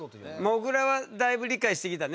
もぐらはだいぶ理解してきたね